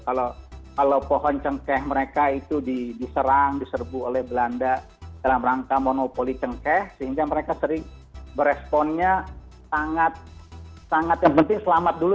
kalau pohon cengkeh mereka itu diserang diserbu oleh belanda dalam rangka monopoli cengkeh sehingga mereka sering beresponnya sangat yang penting selamat dulu